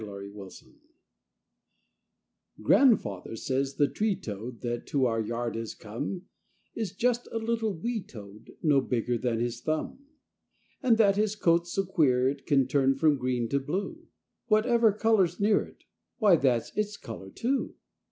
OUR TREE TOAD Grandfather says the tree toad, That to our yard has come, Is just a little wee toad No bigger than his thumb! And that his coat's so queer it Can turn from green to blue! Whatever color's near it, Why, that's its color, too!